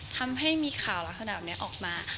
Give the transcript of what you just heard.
ทำให้มีข่าวลักษณะแบบนี้ออกมา